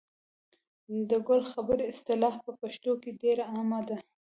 د ګل خبرې اصطلاح په پښتو کې ډېره عامه ده.